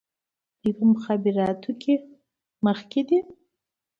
دوی په مخابراتو کې مخکې دي.